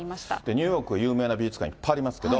ニューヨーク、有名な美術館、いっぱいありますけれども。